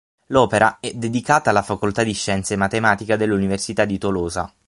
L'opera è dedicata alla facoltà di scienze e matematica dell'Università di Tolosa.